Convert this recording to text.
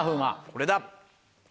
これだ。